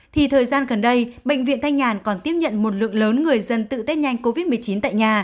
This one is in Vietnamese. thì thời gian gần đây bệnh viện thanh nhàn còn tiếp nhận một lượng lớn người dân tự tết nhanh covid một mươi chín tại nhà